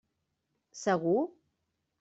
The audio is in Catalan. Segur?